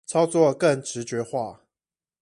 操作更直覺化